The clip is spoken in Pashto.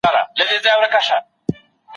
په ټولګیو کي د زده کوونکو پوښتني اورېدل کېږي.